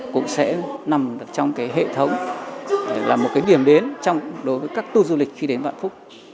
cũng sẽ nằm trong hệ thống là một điểm đến đối với các tu du lịch khi đến vạn phúc